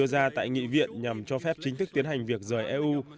tòa bỏ phiếu sẽ diễn ra tại nghị viện nhằm cho phép chính thức tiến hành việc rời eu